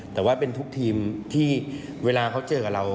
แต่ว่าเป็นทุกทีมที่เวลาเขาเจอกับเรา